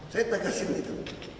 saya tegasin gitu